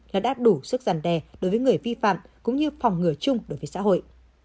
là đạt đủ sức giàn đè đối với người vi phạm cũng như phòng ngừa chung đối với xã hội